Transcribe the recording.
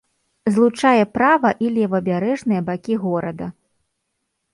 Злучае права- і левабярэжныя бакі горада.